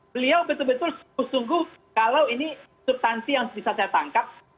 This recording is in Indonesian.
beliau betul betul sungguh sungguh kalau ini subtansi yang bisa saya tangkap